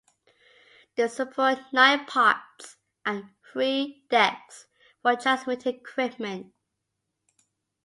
They support nine 'pods' and three decks for transmitting equipment.